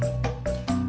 aku mau berbual